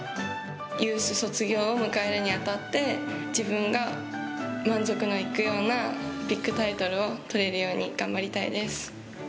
ユース卒業を迎えるにあたって、自分が満足のいくようなビッグタイトルを取れるように頑張りたいです。